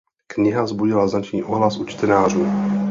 Kniha vzbudila značný ohlas u čtenářů.